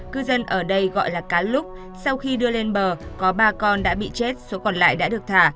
cư dân ở đây gọi là cá lúc sau khi đưa lên bờ có ba con đã bị chết số còn lại đã được thả